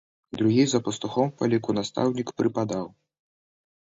Другі за пастухом па ліку настаўнік прыпадаў.